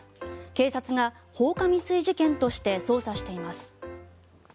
警察が放火未遂事件として捜査しています。